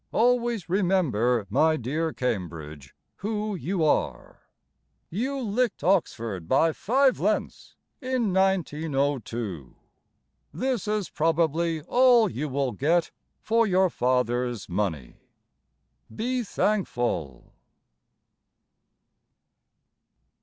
Always remember, my dear Cambridge, who you are. You licked Oxford by five lengths In 1902. This is probably All you will get For your father's money. Be thankful.